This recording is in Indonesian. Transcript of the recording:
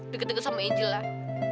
deket deket sama anji lah